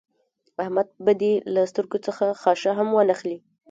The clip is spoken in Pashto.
احمد به دې له سترګو څخه خاشه هم وانخلي.